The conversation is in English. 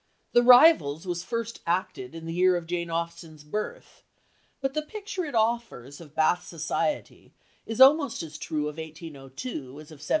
The Rivals was first acted in the year of Jane Austen's birth, but the picture it offers of Bath society is almost as true of 1802 as of 1775.